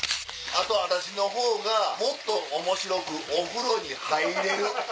あと「私のほうがもっとおもしろくお風呂に入れる」。